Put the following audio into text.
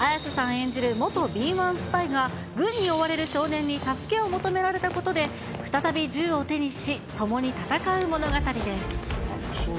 演じる元敏腕スパイが、軍に追われる少年に助けを求められたことで、再び銃を手にし、共に戦う物語です。